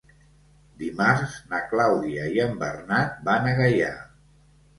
Dimarts na Clàudia i en Bernat van a Gaià.